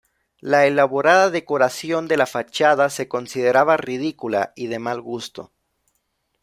La elaborada decoración de la fachada se consideraba ridícula y de mal gusto.